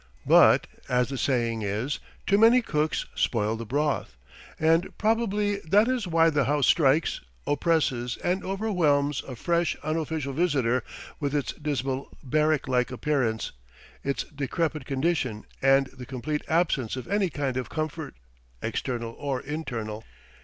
But, as the saying is, "Too many cooks spoil the broth," and probably that is why the house strikes, oppresses, and overwhelms a fresh unofficial visitor with its dismal barrack like appearance, its decrepit condition, and the complete absence of any kind of comfort, external or internal.